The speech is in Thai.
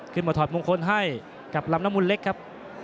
ขึ้นมาถอดมุมคนให้กับลำน้ำมุนเล็กครับ